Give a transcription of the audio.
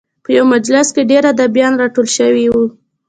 په یوه مجلس کې ډېر ادیبان راټول شوي وو.